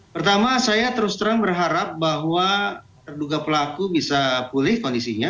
pertama saya terus terang berharap bahwa terduga pelaku bisa pulih kondisinya